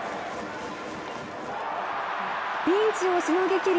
ピンチをしのぎきり